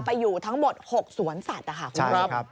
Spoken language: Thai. ไปอยู่ทั้งหมด๖สวนสัตว์นะคะคุณก๊อฟ